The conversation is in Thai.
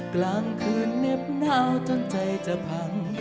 กลางคืนเน็บหนาวจนใจจะพัง